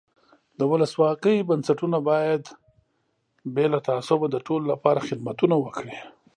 د ولسواکۍ بنسټونه باید بې له تعصبه د ټولو له پاره خدمتونه وکړي.